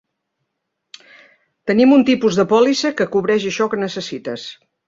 Tenim un tipus de pòlissa que cobreix això que necessites.